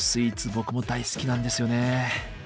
僕も大好きなんですよね。